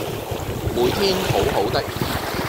每天好好的